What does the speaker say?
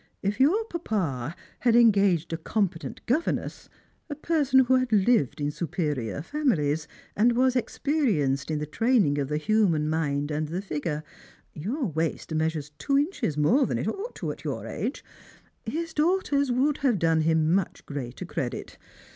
"If your papa had engaged a competent governess, a person who had lived in superior families, and was experienced in the training of the human mind and the figure — your waist measures two inches more than it ought to at your age — his d:iughters would have done him much greater credit.